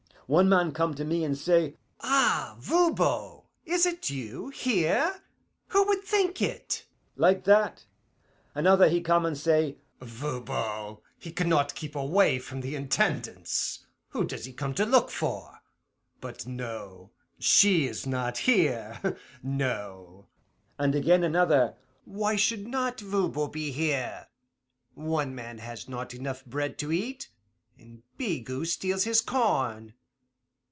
"One man come to me and say, 'Ah, Voban, is it you here? Who would think it!' like that. Another, he come and say, 'Voban, he can not keep away from the Intendance. Who does he come to look for? But no, SHE is not here no.' And again, another, 'Why should not Voban be here? One man has not enough bread to eat, and Bigot steals his corn.